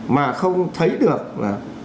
mà không thấy được là